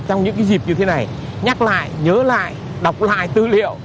trong những dịp như thế này nhắc lại nhớ lại đọc lại tư liệu